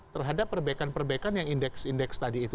terhadap perbaikan perbaikan yang indeks indeks tadi itu